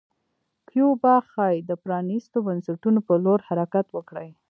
کیوبا ښايي د پرانیستو بنسټونو په لور حرکت وکړي.